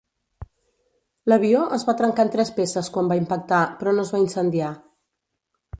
L'avió es va trencar en tres peces quan va impactar, però no es va incendiar.